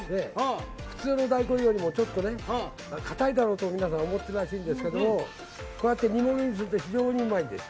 普通の大根よりもちょっと硬いだろうと皆さん思っているらしいですけどこうやって煮物にすると非常にうまいんです。